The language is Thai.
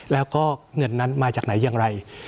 แล้วก็เงินนั้นมาจากไหนอย่างไร